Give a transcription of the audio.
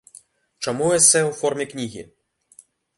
Чаму эсэ ў форме кнігі?